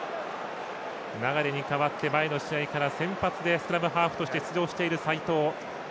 流に代わって、前の試合からスクラムハーフとして出場している、齋藤。